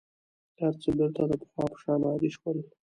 هر څه بېرته د پخوا په شان عادي شول.